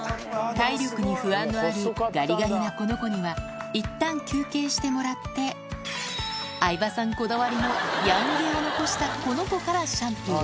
体力に不安のあるがりがりなこの子にはいったん休憩してもらって、相葉さんこだわりのヤン毛を残したこの子からシャンプー。